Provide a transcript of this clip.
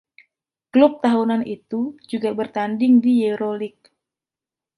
Klub tahunan itu juga bertanding di Euroleague.